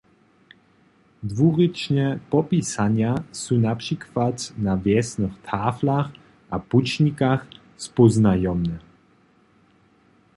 Dwurěčne popisanja su na přikład na wjesnych taflach a pućnikach spóznajomne.